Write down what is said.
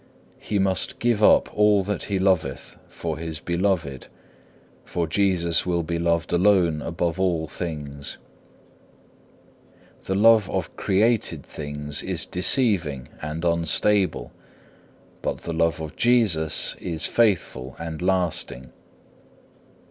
He must give up all that he loveth for his Beloved, for Jesus will be loved alone above all things. The love of created things is deceiving and unstable, but the love of Jesus is faithful and lasting.